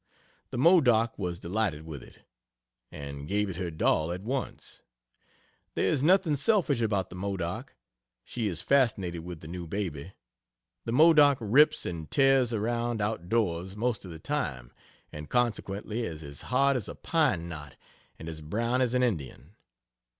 The Modoc was delighted with it, and gave it her doll at once. There is nothing selfish about the Modoc. She is fascinated with the new baby. The Modoc rips and tears around out doors, most of the time, and consequently is as hard as a pine knot and as brown as an Indian.